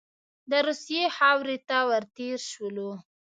د روسیې خاورې ته ور تېر شولو.